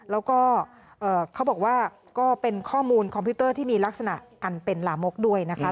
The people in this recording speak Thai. แล้วก็เขาบอกว่าก็เป็นข้อมูลคอมพิวเตอร์ที่มีลักษณะอันเป็นลามกด้วยนะคะ